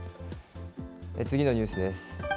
次のニュースです。